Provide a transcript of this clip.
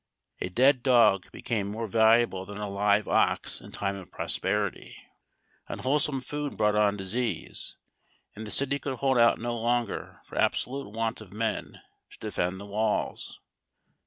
A dead dog became more valuable than a live ox in time of prosperity. Unwholesome food brought on disease, and the city could hold out no longer for absolute want of men to defend the walls.